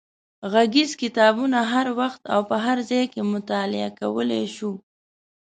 غږیز کتابونه هر وخت او په هر ځای کې مطالعه کولای شو.